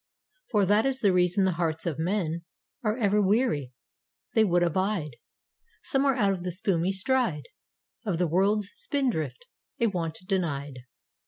For that is the reason the hearts of men Are ever weary — they would abide Somewhere out of the spumy stride Of the world's spindrift — a want denied.